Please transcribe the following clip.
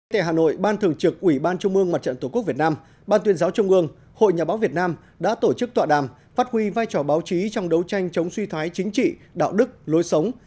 tại hà nội ban thường trực ủy ban trung mương mặt trận tổ quốc việt nam ban tuyên giáo trung ương hội nhà báo việt nam đã tổ chức tọa đàm phát huy vai trò báo chí trong đấu tranh chống suy thoái chính trị đạo đức lối sống